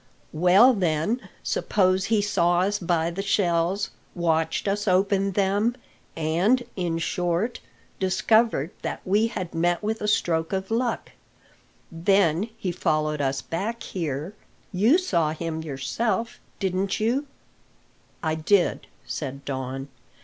"Well, then, suppose he saw us buy the shells, watched us open them, and, in short, discovered that we had met with a stroke of luck. Then he follows us back here you saw him yourself, didn't you?" "I did," said Don.